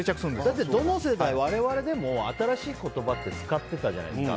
だってどの世代我々でも新しい言葉って使ってたじゃないですか。